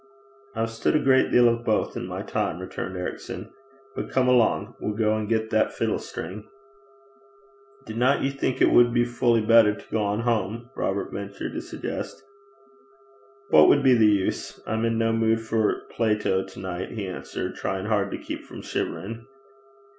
'I've stood a great deal of both in my time,' returned Ericson; 'but come along. We'll go and get that fiddle string.' 'Dinna ye think it wad be fully better to gang hame?' Robert ventured to suggest. 'What would be the use? I'm in no mood for Plato to night,' he answered, trying hard to keep from shivering.